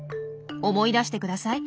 思い出してください。